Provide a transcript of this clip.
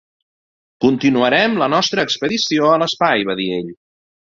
"Continuarem la nostra expedició a l'espai", va dir ell.